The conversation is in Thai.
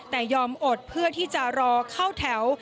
แต่ยอมอดเพื่อที่จะรอเข้าแถว